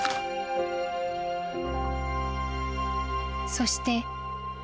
［そして］